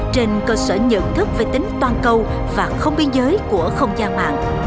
trên cơ sở nhận thức về tính toàn cầu và không biên giới của không gian mạng